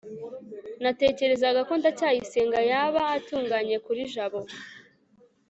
natekerezaga ko ndacyayisenga yaba atunganye kuri jabo